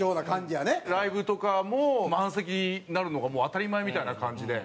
ライブとかも満席になるのがもう当たり前みたいな感じで。